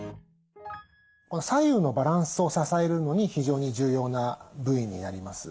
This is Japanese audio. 左右のバランスを支えるのに非常に重要な部位になります。